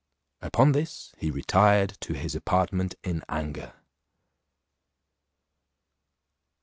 Upon this he retired to his apartment in anger.